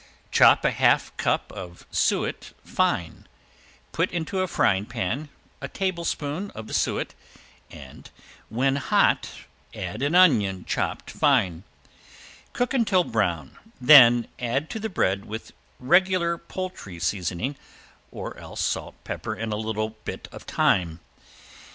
Chop a half cup of suet fine, put into a frying pan a tablespoon of the suet, and when hot add an onion chopped fine. Cook until brown then add to the bread with regular poultry seasoning or else salt, pepper, and a bit of thyme.